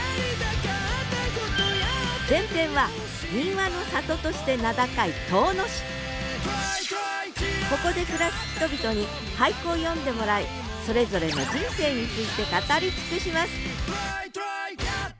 前編は民話の里として名高いここで暮らす人々に俳句を詠んでもらいそれぞれの人生について語り尽くします